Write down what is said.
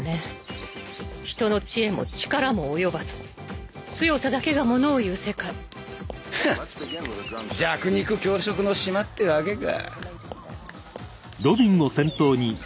人の知恵も力も及ばず強さだけがモノをいう世界フン弱肉強食の島ってワケか